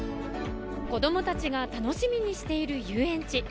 子供たちが楽しみにしている遊園地